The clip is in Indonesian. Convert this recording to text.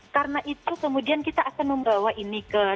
karena itu kemudian kita akan membawa ini ke diperlindungi